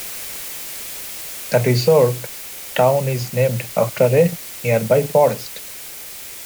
The resort town is named after a nearby forest.